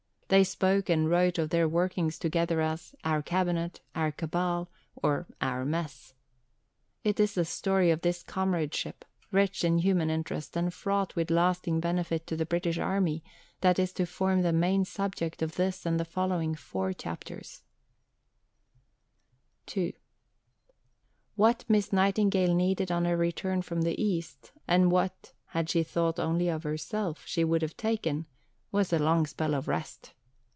They spoke and wrote of their working together as "our Cabinet," "our Cabal," or "our Mess." It is the story of this comradeship, rich in human interest, and fraught with lasting benefit to the British Army, that is to form the main subject of this and the following four chapters. An expansion, issued in 1862, of a memorandum, privately printed in 1861. See below, p. 408. II What Miss Nightingale needed on her return from the East, and what, had she thought only of herself, she would have taken, was a long spell of rest.